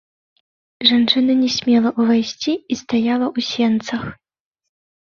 Жанчына не смела ўвайсці і стаяла ў сенцах.